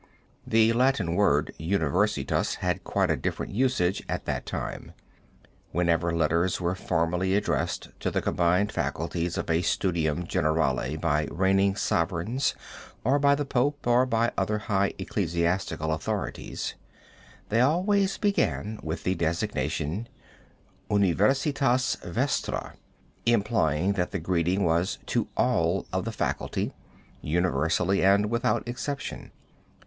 The Latin word universitas had quite a different usage at that time. Whenever letters were formally addressed to the combined faculties of a studium generale by reigning sovereigns, or by the Pope, or by other high ecclesiastical authorities, they always began with the designation, Universitas Vestra, implying that the greeting was to all of the faculty, universally and without exception.